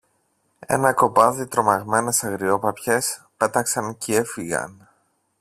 Ένα κοπάδι τρομαγμένες αγριόπαπιες πέταξαν κι έφυγαν